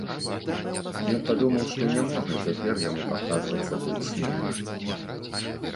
Ён падумаў, што няможна цяпер яму паказвацца тут смела.